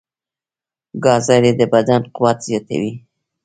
ګازرې د بدن قوت زیاتوي.